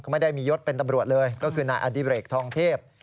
ไม่ได้มียศเป็นตำรวจเลยก็คือนายอดิเรกทองเทพ